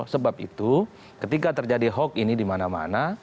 sebab itu ketika terjadi hoax ini di mana mana